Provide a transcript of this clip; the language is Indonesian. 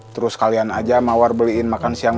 terus kalian aja mawar beliin makan siang